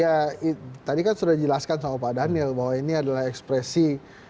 ya tadi kan sudah dijelaskan sama pak daniel bahwa ini adalah ekspresi